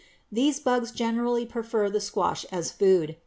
These bugs greatly prefer the squash as food.